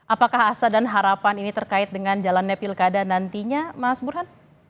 apakah asa dan harapan ini terkait dengan jalannya pilkada nantinya mas burhan